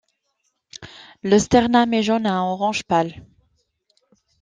Le sternum est jaune à orange pâle.